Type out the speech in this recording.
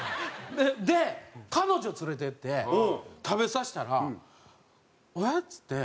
で彼女連れて行って食べさせたら「えっ？」っつって。